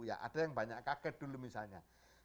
ya ada yang banyak kaget dulu misalnya